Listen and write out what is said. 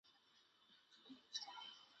妈妈，是我